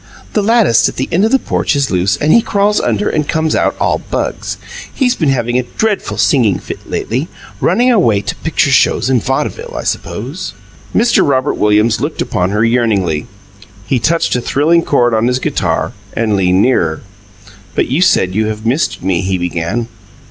"The lattice at the end of the porch is loose, and he crawls under and comes out all bugs. He's been having a dreadful singing fit lately running away to picture shows and vaudeville, I suppose." Mr. Robert Williams looked upon her yearningly. He touched a thrilling chord on his guitar and leaned nearer. "But you said you have missed me," he began.